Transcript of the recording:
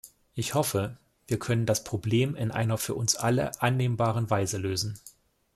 Ich hoffe, wir können das Problem in einer für uns alle annehmbaren Weise lösen.